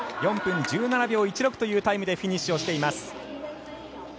４分１７秒１６というタイムでフィニッシュをしています。